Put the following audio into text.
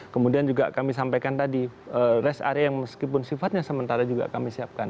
kemudian juga kami sampaikan tadi rest area yang meskipun sifatnya sementara juga kami siapkan